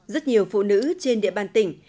rất nhiều phụ nữ trên địa bàn tỉnh